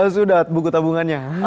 sudah buku tabungannya